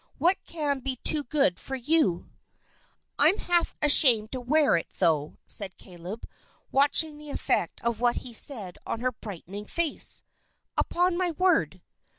What can be too good for you?" "I'm half ashamed to wear it, though," said Caleb, watching the effect of what he said on her brightening face, "upon my word!